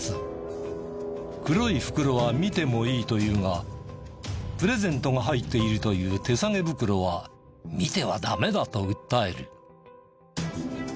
黒い袋は見てもいいと言うがプレゼントが入っているという手提げ袋は見てはダメだと訴える。